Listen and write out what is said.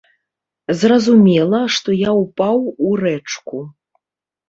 Зразумела, што я ўпаў у рэчку.